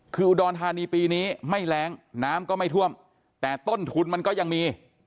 คืออุดรธานีปีนี้ไม่แรงน้ำก็ไม่ท่วมแต่ต้นทุนมันก็ยังมี